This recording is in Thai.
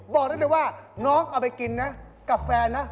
บอกได้เลยว่าน้องเอาไปกินนะกับแฟนนะ